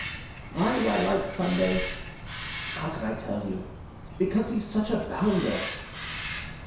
Why do I like Sunday?... how can I tell you?... because he's such a Bounder."